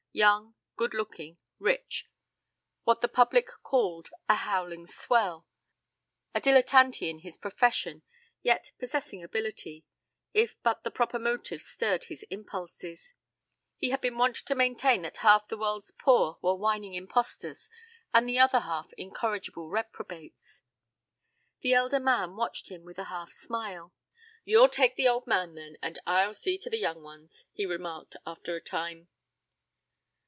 Young, good looking, rich; what the public called "a howling swell;" a dilettante in his profession, yet possessing ability, if but the proper motive stirred his impulses. He had been wont to maintain that half the world's poor were whining impostors, and the other half incorrigible reprobates. The elder man watched him with a half smile. "You'll take the old man, then, and I'll see to the young ones," he remarked after a time.